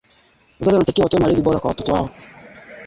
Idadi ya mifugo wanaoathiriwa kwenye kundi